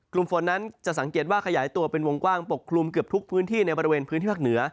กลุ่มฝนนั้นจะสังเกตว่าขยายตัวเป็นวงกว้างปกคลุมเกือบทุกพื้นที่ในบริเวณพื้นที่ภาคเหนือ